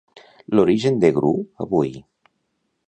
L'origen de Gru avui.